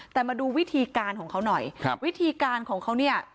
แต่มาดูวิธีการของเขาหน่อยครับวิธีการของเขาเนี่ย